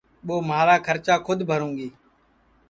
ٻو مہارا کھرچا کھود بھروںگی